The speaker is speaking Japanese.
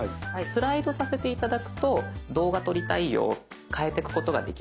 スライドさせて頂くと動画撮りたいよ変えてくことができますので。